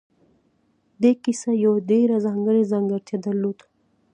دې کیسې یوه ډېره ځانګړې ځانګړتیا درلوده